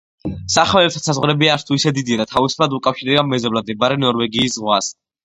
სახმელეთო საზღვრები არც თუ ისე დიდია და თავისუფლად უკავშირდება მეზობლად მდებარე ნორვეგიის ზღვას.